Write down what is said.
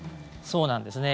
そうなんですね。